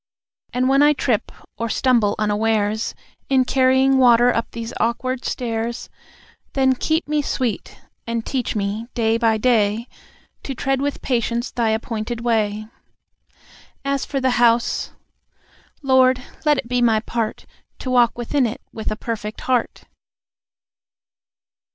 And when I trip, or stumble unawares In carrying water up these awkward stairs, Then keep me sweet, and teach me day by day To tread with patience Thy appointed way. As for the house .... Lord, let it be my part To walk within it with a perfect heart."